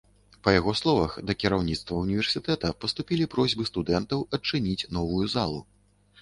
Па яго словах, да кіраўніцтва ўніверсітэта паступілі просьбы студэнтаў адчыніць новую залу.